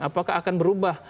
apakah akan berubah